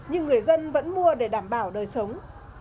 nhưng người dân vẫn mua để đảm bảo đời sống